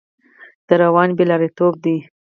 دا رواني بې لارېتوب دی.